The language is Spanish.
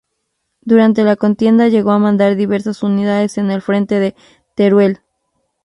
Durante la contienda llegó a mandar diversas unidades en el Frente de Teruel.